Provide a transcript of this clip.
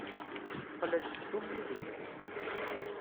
Qqlent d tummilin.